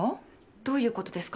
どういうことですか？